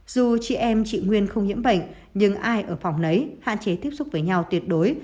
dù chị em chị nguyên không nhiễm bệnh nhưng ai ở phòng lấy hạn chế tiếp xúc với nhau tuyệt đối